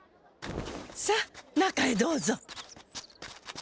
さあ中へどうぞ。